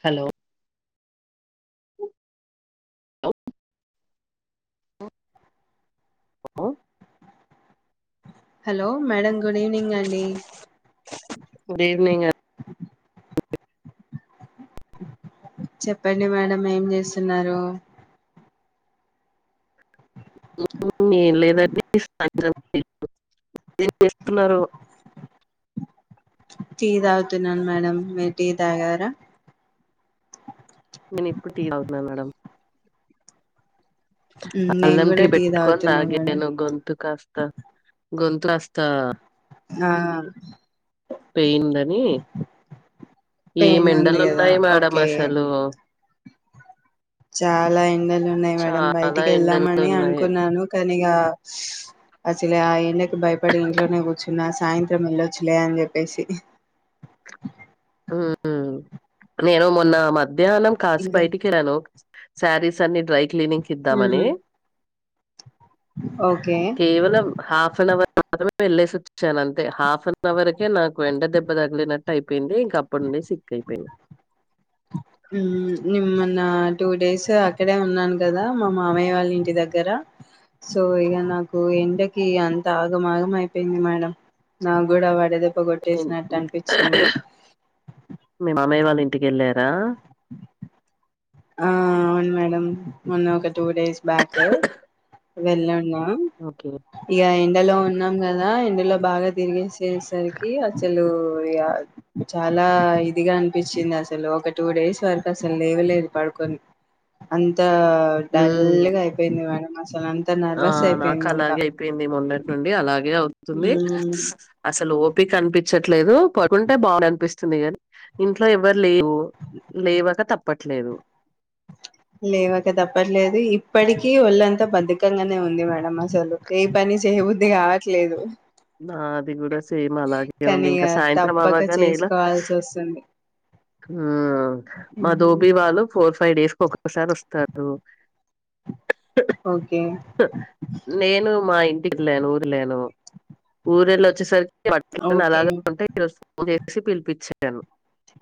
Hello hello madam good evening అండి డివినింగ్ అన్ చెప్పండి మేడం ఏం చేస్తున్నారూ మ్ లేదండి [unintelligible] ఎం చేస్తున్నారు టీ తాగుతున్నాను మేడం మీర్ టీ తాగారా నేను ఇప్పుడు టీ తాగుతున మేడం మ్, నేను అల్లంటీ కూడా టీ పెట్కొని తాగుతున్నా మేడం తాగాను గొంతు కాస్త గొంత్కాస్తా ఆ పేయిన్ ఉందని ఏం పెయిన్ ఉంది కదా ఎండలున్నాయి మేడం ఓకే అసలు చాలా ఎండలు ఉన్నాయి మేడం చాలా బయటికి ఎండలు ఏళ్దామని ఉన్నాయి అనుకున్నాను కన్ నిగా అసలే ఆ ఎండకి భయపడి ఇంట్లోనే కూర్చున్నా సాయంత్రం వెళ్ళొచ్చులే అని చెప్పేసి ఉ నేను మొన్న మ ధ్యాహ్నం కాశి ఇంకా బయటికెళ్లాను సారీస్ అన్నీ డ్రై క్లీనింగ్ మ్, కిద్దామని ఓకే కేవలం హాఫ్ అన్వర్ వెళ్ళేసొచ్చానంతే హాఫ్ అన్ అవర్కే నాకు ఎండ దెబ్బ తగిలినట్టు అయిపోయింది ఇంక్ అప్పడ్నుండీ సిక్కపోయిం నిమ్మన్న టూ డేస్ అక్కడే ఉన్నాను కదా మా మామయ్య వాళ్ళ ఇంటి దగ్గర. సో ఇగ నాకు ఎండకి అంత ఆగమాగం అయిపోయింది మేడం నాకూడా వడదెబ్ మీ మామయ వాళిం ఇంటికెళ్ళార ఆ అవును మేడం మొన్న ఒక టూ డేస్ బ్యాక్ వెళ్ళన్మ ఓకే. ఇగ ఎండలో ఉన్నాం కదా ఎండ్ లో బాగా తిరిగేసేసరికి అసలు ఇగ చాలా ఇదిగా అనిపించింది అసలు. ఒక టూ డేస్ వరకు అసలు లేవలేదు పడుకొని అంతా హ్మ్. డల్లుగైపోయింది మేడం అసలు అంతా ఆ నర్వస్ అయిపోయింది ఇంకా నాకలాగే అయిపోయింది మొన్నటి నుండి అలాగే అవు తుంది అసలు ఓపికనిపి పిచ్చట్లేదు పడుకుంటే బాగుండనిపిస్ ఇంట్లో ఎవర్ లేవు లేవక తప్ తప్పట్లేదు లేవక తప్పట్లేదు ఇప్పటికీ ఒళ్ళంతా బద్ధకంగ నే ఉంది మేడం అసలు ఏ పని చేయ బుద్ధి కావట్లేదు ఆ అది కూడా సేమ్ అలాగే ఉంది కానీ ఇంకా ఇగ సాయంత్రం తప్పక అవ్వగానే ఇలా చేసుకోవాల్సి వస్తుంది మా ధోబి వాళ్ళు ఫోర్ ఫైవ్ డేస్ కొక్కొక్కసారొస్తారు ఓకే నేను మా ఇంటికి లేను ఊరులేను ఊరెళ్ళొచ్చేసరికి ఓకే అలాగే ఉంటే ఈరోజు ఫో సి పిలిపిచ్చాను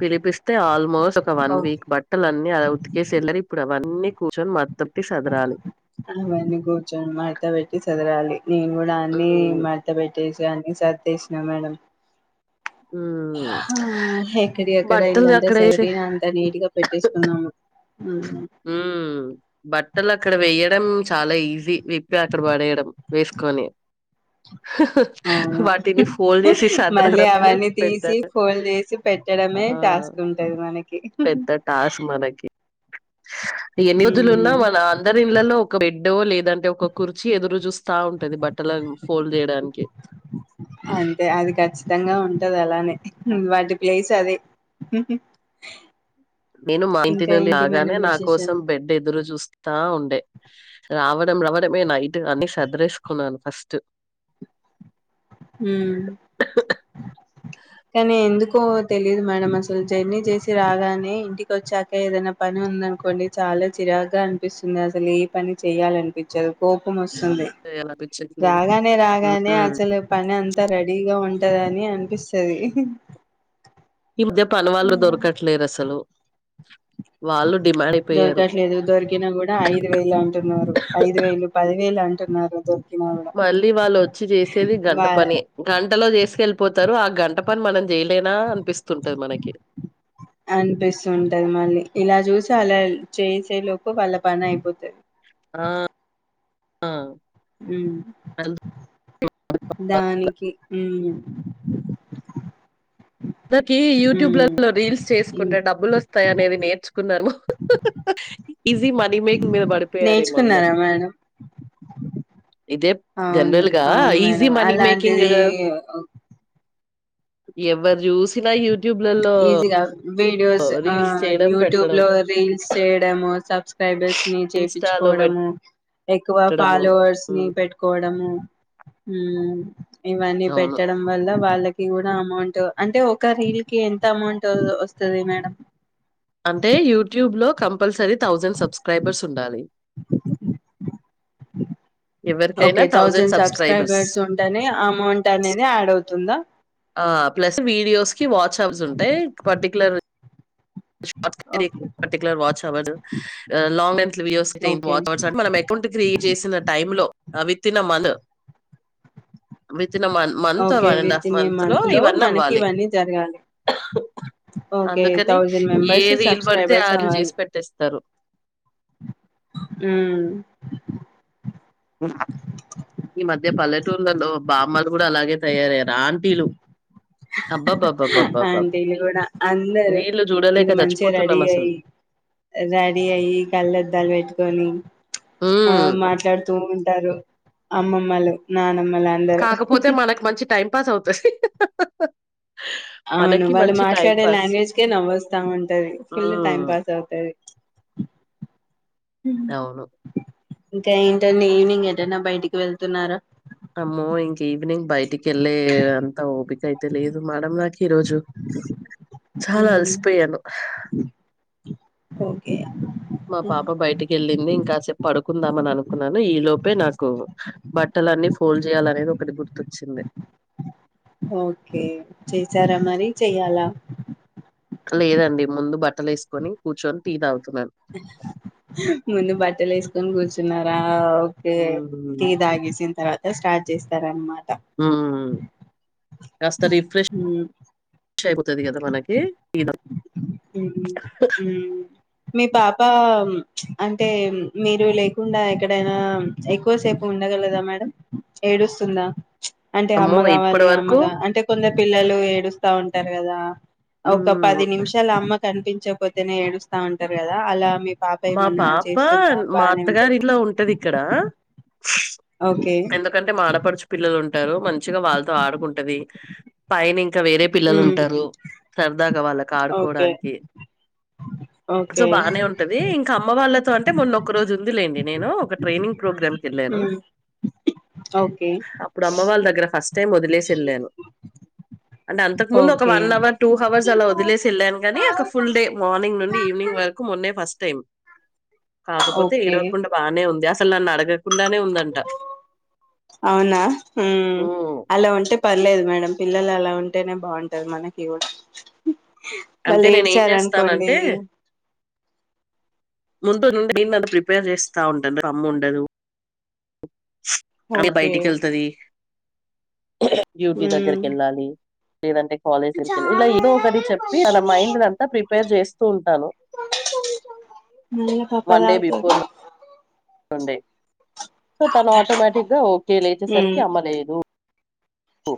పిలిపిస్ తే ఆల్మోస్ట్ ఒక వన్ ఓకే వీక్ బట్టలన్నీ అల ఉతికేసి వెళ్లరి ఇప్పుడు వన్నీ కూర్చొని మ అవన్నీ కూర్చుని మడతపెట్టి సదరాలి నేను కూడా అన్ని హ్మ్ మడతపెట్టేస్ ఇగ అన్ని సర్దేసిన మేడం హ్మ్ హ ఎక్కడి అక్కడ బట్టలు ఇల్లంతా అక్కడ ఏసే సదిరినా అంతా నీట్గా పెట్టేసుకున్నాము మ్మ్ బట్టలక్కడ వెయ్య డం చాలా ఈజీ విప్పి అక్కడ పడేయడం వేసుకొని అవున వాటిని ఫోల్డ్ చేసి మళ్ళీ సదరడమే అవన్నీ పెద్ద తీసి ఫోల్డ్ చేసి ఆ పెట్టడమే టాస్క్ ఉంటది మనకి పెద్ద టాస్క్ మనకి ఎన్ని యోధులున్నా మ్మ్ మన అందరి ఇళ్ళలో ఒక డో లేద్ దంటే ఒక కుర్చీ ఎదురు చూస్తా ఉంటది బట్టల ఫోల్డ్ చేయడానికి మ్మ్ వాటి ప్లేస్ అదే నేను మా ఇంటి ఇంకా నుండి ఏంటి రాగానే మేడం నా కోసం విశేషాలు బెడ్ ఎదురు చూస్ స్తా ఉండే రావడం రవడమే నైటు అన్ని సదరేసుకున్నాను ఫస్ట్ మ్మ్ కాని ఎందుకో తెలిదు మేడం అసలు జర్నీ చేసి రాగానే ఇంటికోచ్చాకే ఏదైనా పని ఉందనుకోండి చాలా చిరాగ్గా అనిపిస్తుంది అసలు ఏ పని చేయాలనిపించదు కోపం వస్ సుంది అనిపించట్లేదు రాగానే రాగానే ఉమ్. అసలు అంతా రెడీగా ఉంటదని అనిపిస్తది ఈ మధ్య పని వాళ్ళు దొరకట్లేరు అసలు వాళ్ళు డిమాండ్ అయిపోయారు దొరకట్లేదు దొరికినా కూడా ఐదు వేలు అంటున్నారు ఐదు వేలు పది వేలు అంటున్నారు కూడా మళ్ళీ వాళ్ళు ఒచ్చి చేసేది గంట వా పనె గంటలో చేసుకెళ్ళిపోతారు ఆ గంట పని మనం చేయలేనా అనిపిస్తుంటది మనకి అనిపిస్తుంటది మళ్ళీ ఇలా చూసి తలల్ చేసే లోపు వాళ్ళ పని అయిపోతది ఆ అ మ్మ్ ఆ. దానికి మ్మ్ దాకి ఉమ్ యూట్యూబ్లో రీల్స్ ఉమ్ చేసుకుంటే డబ్బులు వస్తాయి అనేది నేర్చు కున్నారు ఈజీ మన్ నేర్చుకున్నారా మేడం ఇదే అవును జనరల్ గా అవును ఈజీ మేడం మనీ మేకింగ్ అలాంటిది ఎవరు చూసినా యూట్యూబ్లలో ఈజీ కా వీడియోస్ ఆ రీల్స్ చేయడం యూట్యూబ్ పెట్టడం లో రీల్స్ చేయడము సబ్స్క్రైబర్స్ ని ఇన్స్టాలో చేయించుకోవడము ఎక్కువ పెట్టడము ఫాలోవర్స్ ని హ్మ్, పెట్టుకోవడము హ ఇవన్నీ అవును. పెట్టడం వల్ల వాళ్ళకి కూడా అమౌంట్ అంటే ఒక రీల్ కి ఎంత అమౌంట్ వస్తుంది మేడం అంటే యూట్యూబ్ లో కంపల్సరీ థౌసండ్ సబ్స్క్రైబర్స్ ఉండాలి ఓకే థౌజండ్ సబ్స్క్రైబర్స్ ఉంటనే అమౌంట్ అనేది యాడ్ అవుతుంది తుంద ఆ ప్లస్ వీడియోస్ కి వాచ్ాప్స్ ఉంటాయి పర్టికులర్ షార్ట్ స్ okay particular watch hour long అంస్చ్ ఓకే అవర్ అ మనం అకౌంట్ క్రియేట్ చేసిన టై లో విత్ ఇన్ మన్ అ ిన month okay one and half within a month లో ఇవన్నీ మనకి అవ్వాలి ఇవన్నీ జరగాలి ఓకే అందుకని థౌజండ్ మెంబర్స్ ఏది వీలు పడితే సబ్స్క్రైబర్స్ ఆలు అవ్వాలి చేసి పెట్టేస్తారు అ ఈ మధ్య పల్లెటూళ్లలో బామ్మలు కూడా అలాగే తయారయ్యారు ఆంటీలు అబ్బాబ్బాబ్బాబ్బా అంటి లు కూడా అందరు రీల్ ఇంక చూడలేక మంచిగా రెడీ చచ్చిపోతున్నాం అసలు అయ్య రెడీ అయ్యి కళ్ళద్దాలు పెట్టు కొని ఆ ఉమ్, మాట్లాడుతూ ారు అమ్మమ్మలు నాన్న కాకపోతే మనకి మంచి టైం పాస్ అవుతాది అవును వాళ్ళు మాట్లాడే లాంగ్వేజ్ కే నవ్్వొస్తా ఉంటది ఫుల్ టైం పాస్ అవుతది అవును ఇంకా ఏంటండి ఈవినింగ్ ఏంటనా బయటికి వెళ్తున్నారా అమ్మో ఇంక ఈవనింగ్ బయటికి వెళ్ళలే అంత ఓపికయితే లేదు మేడం నాకు ఈ రోజు చాలా హ్మ్. అలసిపోయాను హా ఓకే మా హ్మ్. పాప బయటికి వెళ్ళింది. ఇంకాసేపు పడుకుందాం అని అనుకున్నాను. ఈ లోపే నాకు బట్టలన్ని ఫోల్డ్ చేయాలనేది ఒకటి గుర్తొచ్చింది. ఓకే చేసారా మరి చెయ్యాలా లేదండి ముందు బట్టలు వేసుకొని కూర్చొని టి తాగు మందు బధ లు వేసుకొని కూర్చున్నారా ఆ ఓకే టి హ్మ్. తాగేసిన తర్వాత స్టార్ట్ చేస్తార అన్నమా హ అ ఊ అయిపోతది కదా! మనకి. టీ తాగి ఉ మీ పాపా అంటే మీరు లేకుండా ఎక్కడైనా ఎక్కువసేపు ఉండగలదా మేడం ఏడుస్తుందా అంటే అమ్మ అమ్మో! ఇప్పటి కావాలి వరకు అమ్మగా అంటే కొంద పిల్లలు ఏడుస్తా ఉంట తరుగదా ఒక హ్మ్. పది నిమిషాలు అమ్మ కనిపించకపోతేనే ఏడుస్తా ఉంటారు కదా అలా మీ పాప మా ఏమన్నా పాప చేస్తుందా మా బానే అత్తగారి ఉంటుందా ఇంట్లో ఉంటది ఇక్కడ ఓకే ఎందుకంటే మాఆడపడుచు పిల్లలు ఉంటారు. మంచిగా వాళ్ళతో ఆడుకుంట ది పైని ఇంకా వేరే పిల్లలు హ్మ్. ఉంటారు. సరదాగా వాళ్ళకి ఓకే ఆడుకోవడానికి సో ఓకే బానే ఉం ఇంక అమ్మ వాళ్ళతో అంటే మొన్నొక్క రోజు ఉంది లేండి. నేను ఒక ట్రైనింగ్ ప్రోగ్రామ్కి వెళ్ళాను. హ్మ్. ఓకే అప్పుడు అమ్మ వాళ్ళ దగ్గర ఫస్ట్ టైం వదిలేసి వెళ్ళాను. అంటే అంతకు ముందు ఒక okay one hour two hours అలా వదిలేసి వెళ్ళాను. కాని ఒక ఫుల్ డే మార్నింగ్ నుండి ఈవినింగ్ వరకు మొన్నే ఫస్ట్ టైమ్ కాకపోతే ఓకే ఏడవకుండా బానే ఉంది అ ఫసలలా నడగ అవునా ఉ హ్మ్ అలా ఉంటే పర్లేదు మేడం పిల్లలు అలా ఉంటేనే బావుం టది మనకి కూడా హ వాళ్ళు అంటే నేను ఏం ఏడ్చారు అనుకోండి చేస్తానంటే ముందు నుండి దేన్ని అది ప్రిపేర్ చేస్తా ఉంటది అమ్మ ఉండదు. [unintelligible] స్ అ ఓకే బయటికి వెళ్తుది బ్యూటీ హ్మ్ దగ్గరకి వెళ్ళాలి లేదంటే కాలేజ్ ఎరికి ఇలా ఏదో ఒకటి చెప్పి అ మైండ్ంతా ప్రిపేర్ చేస్తూ ఉంటాను మళ్ళ పప్ప వన్ డే తాగుతాడు బిఫోర్ తండే సో తను ఆటోమేటిక్ గా ఓకే లే అచేసరికి హ్మ్ అమ్మలేదు ఓ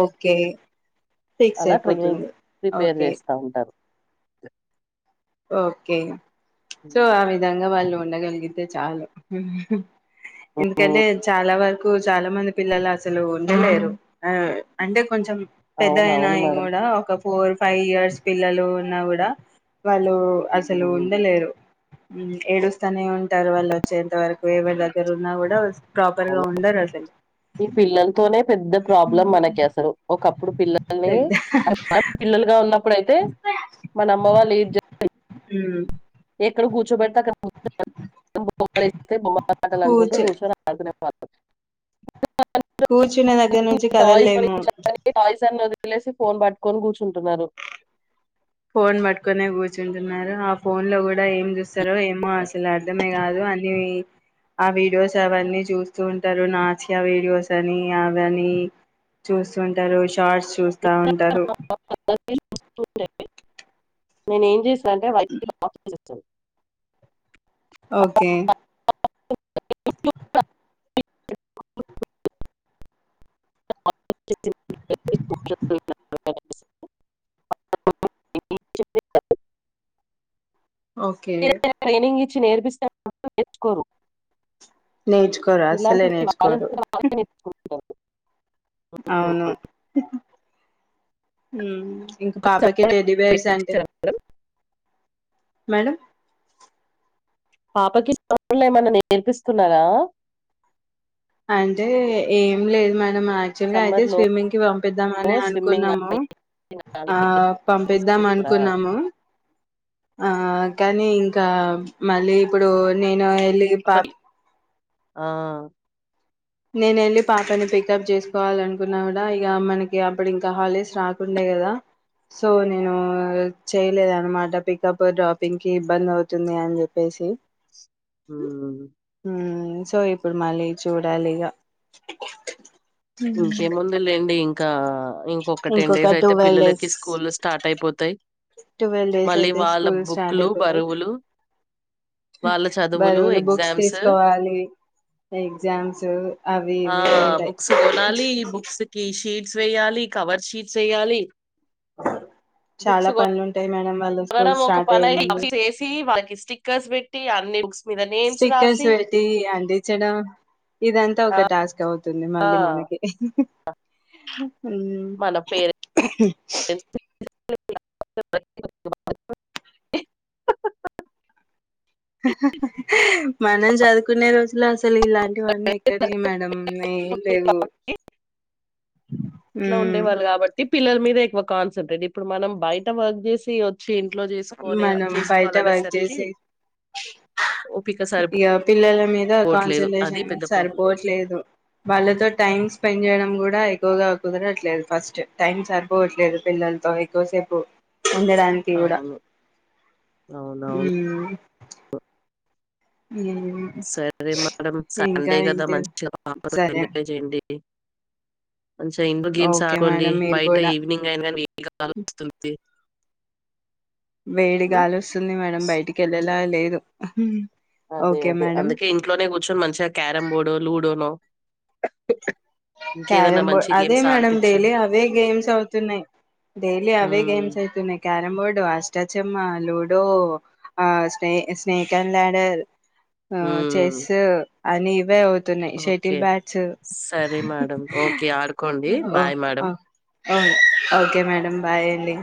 ఓకే ఫిక్స్ అలా ట్రైనింగ్ అయిపోతుంది ప్రిపేర్ ఓకే చేస్తా ఉంటారు ఓకే సో ఆ విధంగా వాళ్ళు ఉండగలిగితే చాలు ఎందుకంటే చాలా వరకు చాలా మంది పిల్లలు అసలు ఉండలేరు అంటే కొంచెం పెద్ద అవును అవును అయినాయి మేడం కూడా ఒక ఫోర్ ఫైవ్ ఇయర్స్ పిల్లలు ఉన్నా కూడా వాళ్ళు అసలు ఉమ్. ఉండలేరు ఏడుస్తానే ఉంటారు వాళ్ళు వచ్చేంత వరకు ఎవరి దగ్గర ఉన్నా కూడా ప్రాపర్ గా ఉండరు అసలు ఈ పిల్లలతోనే పెద్ద ప్రాబ్లం మనకి అసరు ఒకప్పుడు పిల్లల్ని పెద్ద పిల్లలుగా ఉన్నప్పు అప్పుడైతే మన అమ్మ వాళ్ళు హ ఎక్కడ కూర్చోబె అడ బొమ్స్త బొమ్మలుట్టాలనుకుంటూ కూర్చు భోరు వ కూర్చునే దగ్గర నుంచి టాయ్స్ కదలేము కొనిచ్చారని టాయ్స్ అని వదిలేసి ఫోన్ పట్టుకొని కూర్చుంటున్నారు ఫోన్ పట్టుకొనే కూర్చుంటున్నారు ఆ ఫోన్ లో కూడా ఏం చూస్తారో ఏమో అసలు అర్ధమే కాదు అని ఆ వీడియోస్ అవన్నీ చూస్తూ ఉంటారు నాసియా వీడియోస్ అని అవని చూస్తూంటారు చార్ట్స్ చూస్తా ఉంటారు నేను ఏం చేసి అంటే వైఫై ఆఫ్ చేసేస్తా చె ఓకే [inaudible] ఓకే [unintelligible] ట్రైనింగ్ నేర్పిస్తడు నేర్చుకోరు నేర్చుకోరా అసలే నేర్చుకోరు ఓ అవును ఇంక పాపకే టెడ్డిబేర్స్ అంటే మేడం పాపకి [inaudible] ఏమన్నా నేర్పిస్తున్నారా అంటే ఏం లేదు మన మ యాక్చువల్ గా అయితే సమ్మర్ లో స్విమ్మింగ్ కి పంపిద్దాం అని స్విమ్మింగ్ అనుకున్నాము ఆ పంపిద్దాం నేర్పిస్తున్నారా అనుకున్నాము ఆ కానీ ఇంకా మళ్ళీ ఇప్పుడు నేను ల్లి పాప్ పాపకి ఆ నేను వెళ్ళి పాపని పికప్ చేసుకోవాలనుకున్నా కూడా ఇక మనకి అప్పుడు ఇంకా హాలిడేస్ రాకుండే కదా సో నేను చేయలేదన్నమాట పికప్ డ్రాపింగ్కి ఇబ్బంది అవుతుంది అని చెప్పేసి ఉమ్ ఆ సో ఇప్పుడు మళ్ళీ చూడ లిగా ఇంకే ముంది లేండి ఇంకా ఇంకొక టెన్ డేస్ అయితే టువెల్ పిల్లలకి డేస్ స్కూల్ స్టార్ట్ అయిపోతాయి టువెల్ డేస్ మళ్ళీ అయితే వాళ్ళ స్కూల్ స్టార్ట్ బుక్లు అయిపోతాయి బరువులు వాళ్ళ చదువులు, బరువులు బుక్స్ ఎగ్జామ్స్ తీసుకోవాలి ఎగ్జామ్స్ అవి ఇవి ఉంటాయి కొనాలి ఈ బుక్స్ కి షీట్ స్ వేయాలి కవర్ షీట్స్ వేయాలి చాలా పనులుంటాయి మేడం వాళ్ళ స్కూల్ మేడం ఒక స్టార్ట్ పని అయ్యే ముందు చేసి స్టిక్కర్స్ పెట్టి అన్ని బుక్స్ మీద నేమ్స్ స్టిక్కర్స్ రాసి పెట్టి అందించడం ఇదంతా ఆ! ఒక టాస్క్ అవు తుంది మళ్ళ మనకి మన పేరు ఎ [inaudible] హహహ మనం చదువుకునే రోజులు అసల అసలు ఇలాంటివన్నీ ఎక్కడివి మేడం ఏం లేవు ఇట్లా హ్మ్. ఉండేవాళ్ళు కాబట్టి పిల్లల మీద ఎక్కువ కాన్సంట్రేట్ ఇప్పుడు మనం బయట వర్క్ చేసి వచ్చి ఇంట్లో చేసుకొనే మనం బయట వర్క్ చేసుకోవాలనేసరికి చేసి ఓపిక ఇగ పిల్లల మీద సరిపోవట్లేదు అది కాన్సన్ట్రేషన్ పెద్ద ప్రాబ్లం సరిపోవట్లేదు. వాళ్ళతో టైమ్స్ స్పెండ్ చేయడం కూడా ఎక్కువగా కుదరట్లేదు. ఫస్ట్ టైం సరిపోవట్లేదు పిల్లలతో ఎక్కువసేపు ఉండడానికి కూడా అవును అవునవును హ్మ్. హ్మ్. సరే మేడం ఇంకా సండే కదా ఏంటి మంచిగా పాపతో సరే ఎంజాయ్ చేయండి. డీ. కొంచెం ఇంగో గేమ్స్ ఓకే ఆకోండి. మేడం మీరు బయట కూడా ఈవినింగ్ అయిన నీ కాల్ స్తుంది. వేడి ఉమ్, గాలి వస్సుంది. మేడం బయటికి ఎళ్ళ్ లేదు ఉ అదే అదే అందుకే ఇంట్లోనే కూర్చొని మంచిగా క్యారమ్ బోర్డు, లూడోనో ఇంకేదైనా క్యారమ్ బోర్డ్ మంచి అదే గేమ్స్ మేడం డైలీ ఆడిపించండి అవే గేమ్స్ అవుతున్నాయి. డైలీ అవే ఉమ్, గేమ్స్ అవుతున్నాయ్ క్యారంబోర్డ్ స్ అష్టాచమ్మా, లూడో ఆ స్నే-స్నేకాండ్ ల్యాడర్ ఆ ఉమ్, చెస్ అని ఇవే అవుతున్నాయి ఓకే షటిల్ బ్యాట్స్ సరే మేడం ఓకే ఆడుకోండి ఓ బాయ్ మేడం ఓ ఓ ఓకే మేడం బాయ్. యండి.